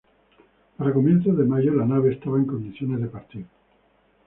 Para comienzos de mayo la nave estaba en condiciones de partir.